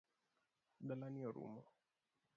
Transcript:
Dala ni orumo .